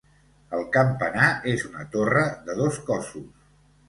El campanar és una torre de dos cossos.